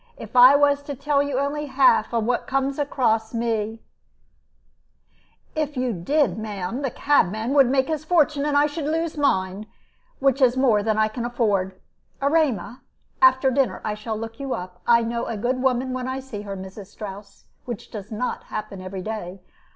If I was to tell you only half what comes across me " "If you did, ma'am, the cabman would make his fortune, and I should lose mine, which is more than I can afford. Erema, after dinner I shall look you up. I know a good woman when I see her, Mrs. Strouss, which does not happen every day.